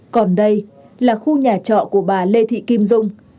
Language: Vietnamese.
còn đây là khu nhà trọ của bà lê thị kim dung